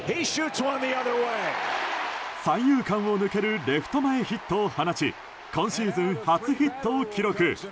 三遊間を抜けるレフト前ヒットを放ち今シーズン初ヒットを記録。